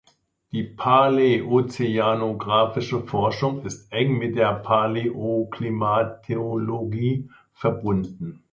Die paläozeanographische Forschung ist eng mit der Paläoklimatologie verbunden.